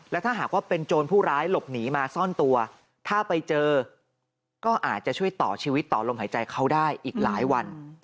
และถ้าหากว่าเป็นโจรผู้ร้ายหลบหนีมาซ่อนตัวถ้าไปเจอก็อาจจะช่วยต่อชีวิตต่อลมหายใจเขาได้อีกหลายวัน